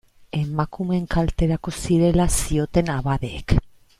Emakumeen kalterako zirela zioten abadeek.